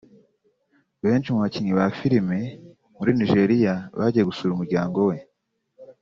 Benshi mu bakinnyi ba filimi muri Nigeria bagiye gusura umuryango we